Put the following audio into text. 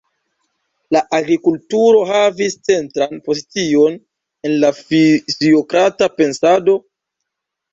La agrikulturo havis centran pozicion en la fiziokrata pensado.